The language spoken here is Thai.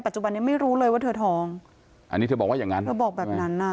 ปัจจุบันยังไม่รู้เลยว่าเธอทองอันนี้เธอบอกว่าอย่างนั้น